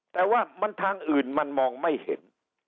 แต่ว่ามันทางอื่นมันมองไม่เห็น